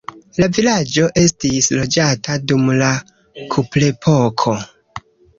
La vilaĝo estis loĝata dum la kuprepoko.